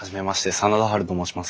真田ハルと申します。